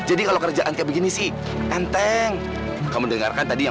aku perlu tempat untuk bersandar man